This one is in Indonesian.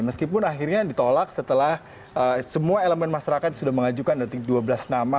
meskipun akhirnya ditolak setelah semua elemen masyarakat sudah mengajukan dua belas nama